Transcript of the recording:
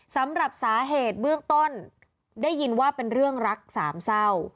สำหรับสาเหตุเบื้องต้นได้ยินว่าเป็นเรื่องรักสามเศร้า